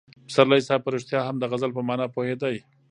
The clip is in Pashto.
پسرلي صاحب په رښتیا هم د غزل په مانا پوهېده.